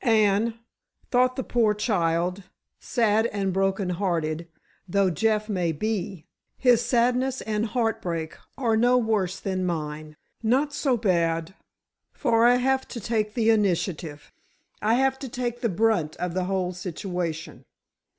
And, thought the poor child, sad and broken hearted though Jeff may be, his sadness and heartbreak are no worse than mine. Not so bad, for I have to take the initiative! I have to take the brunt of the whole situation.